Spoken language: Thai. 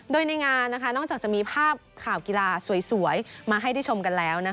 โดยในงานนอกจากจะมีภาพข่าวกีฬาสวยมาให้ได้ชมกันแล้ว